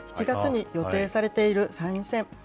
７月に予定されている参院選。